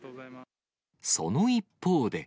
その一方で。